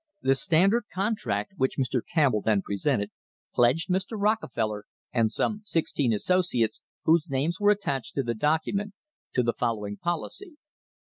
The Standard contract, which Mr. Campbell then presented, pledged Mr. Rockefeller, and some sixteen associates, whose names were attached to the document, to the following policy: 1.